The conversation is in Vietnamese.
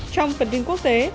trong phần tin quốc tế